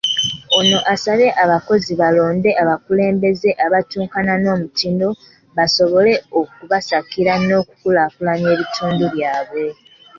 Ono abasabye abalonzi balonde abakulembeze abatuukana n'omutindo basobole okubasakira n'okukulaakulanya ebitundu byabwe.